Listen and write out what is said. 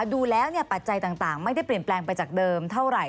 ดูแล้วปัจจัยต่างไม่ได้เปลี่ยนแปลงไปจากเดิมเท่าไหร่